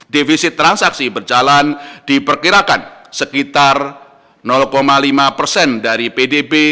defisit transaksi berjalan diperkirakan sekitar lima persen dari pdb